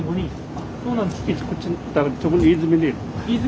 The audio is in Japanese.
そうなんですか。